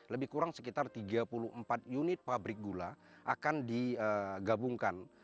lebih kurang sekitar tiga puluh empat unit pabrik gula akan digabungkan